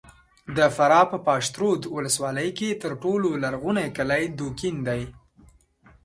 د فراه په پشترود ولسوالۍ کې تر ټولو لرغونی کلی دوکین دی!